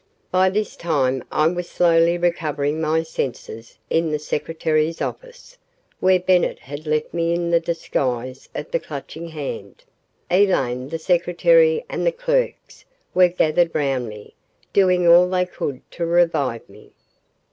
........ By this time, I was slowly recovering my senses in the secretary's office, where Bennett had left me in the disguise of the Clutching Hand. Elaine, the secretary, and the clerks were gathered round me, doing all they could to revive me.